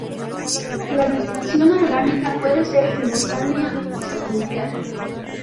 La disfunción orgánica puede ser simultánea o secuencial.